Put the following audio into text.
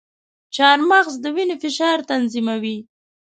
چارمغز د وینې فشار تنظیموي.